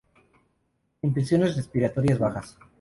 Infecciones respiratorias bajas.